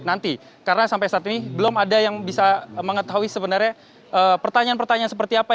nanti karena sampai saat ini belum ada yang bisa mengetahui sebenarnya pertanyaan pertanyaan seperti apa